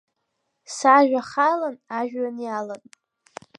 Сажәа халан ажәҩан иалан…